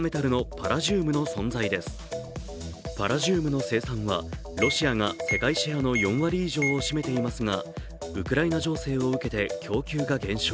パラジウムの生産はロシアが世界シェアの４割以上を占めていますがウクライナ情勢を受けて供給が減少。